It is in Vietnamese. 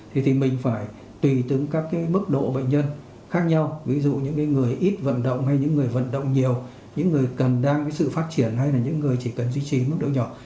thì mình phải tùy từng các cái mức độ bệnh nhân khác nhau ví dụ những người ít vận động hay những người vận động nhiều những người cần đang sự phát triển hay là những người chỉ cần duy trì mức độ nhỏ